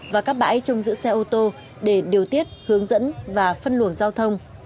và các bãi trong giữ xe ô tô để điều tiết hướng dẫn và phân luồng giao thông